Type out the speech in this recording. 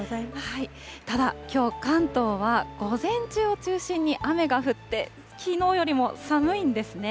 ただ、きょう、関東は午前中を中心に雨が降って、きのうよりも寒いんですね。